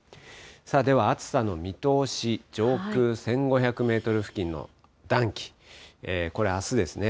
では、暑さの見通し、上空１５００メートル付近の暖気、これあすですね。